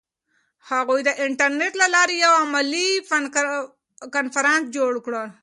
هغوی د انټرنیټ له لارې یو علمي کنفرانس جوړ کړ.